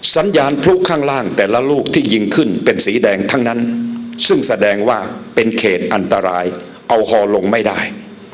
สัญญาณพลุข้างล่างแต่ละลูกที่ยิงขึ้นเป็นสีแดงทั้งนั้นซึ่งแสดงว่าเป็นเขตอันตรายเอาฮอลงไม่ได้